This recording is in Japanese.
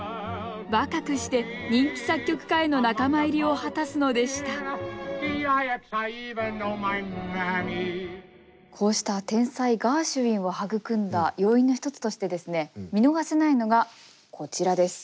若くして人気作曲家への仲間入りを果たすのでしたこうした天才ガーシュウィンを育んだ要因の一つとしてですね見逃せないのがこちらです。